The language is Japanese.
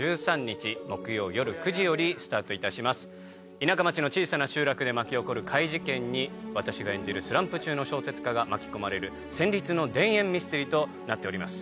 田舎町の小さな集落で巻き起こる怪事件に私が演じるスランプ中の小説家が巻き込まれる戦慄の田園ミステリーとなっております。